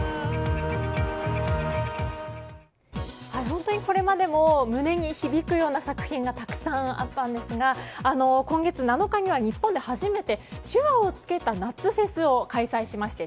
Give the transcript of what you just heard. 本当にこれまでも胸に響くような作品がたくさんあったんですが今月７日には日本で初めて手話をつけた夏フェスを開催しまして